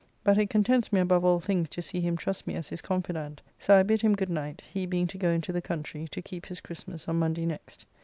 But it contents me above all things to see him trust me as his confidant: so I bid him good night, he being to go into the country, to keep his Christmas, on Monday next.